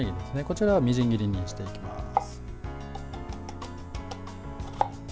こちらをみじん切りにしていきます。